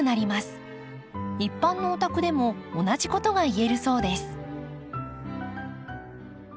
一般のお宅でも同じことがいえるそうです。